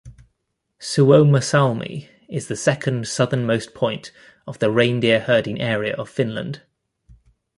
Suomussalmi is the second southernmost part of the reindeer-herding area in Finland.